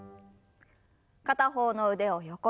片方の腕を横に。